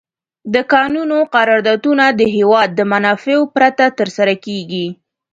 د کانونو قراردادونه د هېواد د منافعو پرته تر سره کیږي.